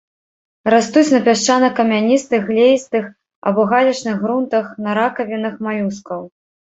Растуць на пясчвна-камяністых, глеістых або галечных грунтах, на ракавінах малюскаў.